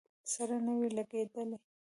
سره نه وې لګېدلې.